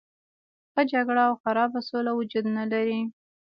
ښه جګړه او خرابه سوله وجود نه لري.